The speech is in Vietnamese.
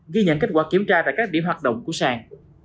ghi nhận kết quả kiểm tra tại các điểm hoạt động của sàn